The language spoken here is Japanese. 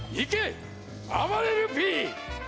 あばれるＰ！